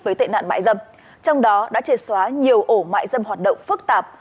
với tệ nạn mại dâm trong đó đã triệt xóa nhiều ổ mại dâm hoạt động phức tạp